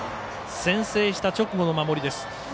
先制した直後の守りです。